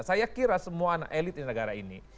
saya kira semua anak elit di negara ini